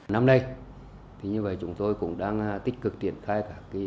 năm nay chúng tôi cũng đang tích cực triển thai